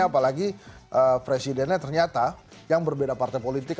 apalagi presidennya ternyata yang berbeda partai politik